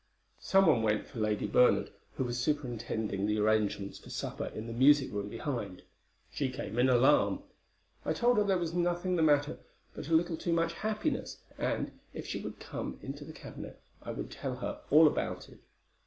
Some one went for Lady Bernard, who was superintending the arrangements for supper in the music room behind. She came in alarm. I told her there was nothing the matter but a little too much happiness, and, if she would come into the cabinet, I would tell her all about it.